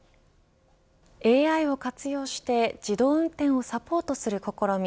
ＡＩを活用して自動運転をサポートする試み